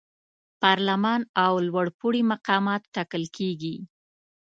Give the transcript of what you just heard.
پارلمان او لوړپوړي مقامات ټاکل کیږي.